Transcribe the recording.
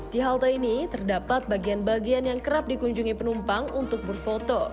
di halte ini terdapat bagian bagian yang kerap dikunjungi penumpang untuk berfoto